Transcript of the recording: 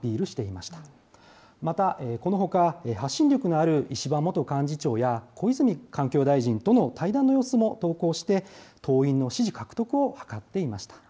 またこのほか、発信力がある石破元幹事長や小泉環境大臣との対談の様子も投稿して、党員の支持獲得を図っていました。